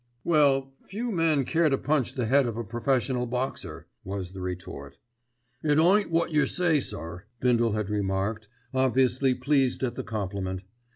"Well, few men care to punch the head of a professional boxer," was the retort. "It ain't wot yer say, sir," Bindle had remarked, obviously pleased at the compliment.